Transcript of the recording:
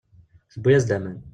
Tewwi-as-d aman.